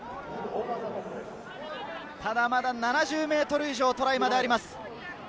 まだ７０ｍ以上、トライまであります。